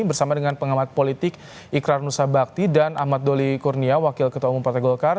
bersama dengan pengamat politik ikrar nusa bakti dan ahmad doli kurnia wakil ketua umum partai golkar